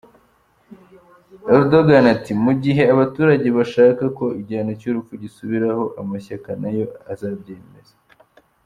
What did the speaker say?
Erdogan ati “Mu gihe abaturage bashaka ko igihano cy’urupfu gisubiraho amashyaka nayo azabyemeza.